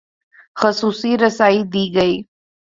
خصوصی رسائی دی گئی